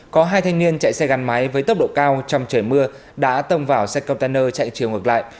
có hai thanh niên chạy xe gắn máy với tốc độ cao trong trời mưa đã tông vào xe container chạy chiều ngược lại